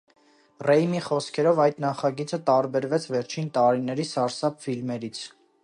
Ռեյմի խոսքերով այդ նախագիծը տարբերվեց վերջին տարիների սարսափ ֆիլմերից։